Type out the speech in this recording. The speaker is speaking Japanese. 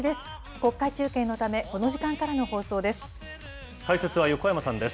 国会中継のため、この時間からの解説は横山さんです。